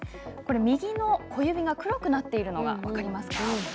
右の小指が黒くなっているのが分かりますか？